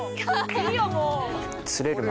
いいよもう！